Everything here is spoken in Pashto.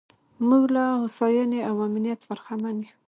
موږ له هوساینې او امنیت برخمن یو.